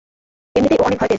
এমনিতেই ও অনেক ভয় পেয়েছে!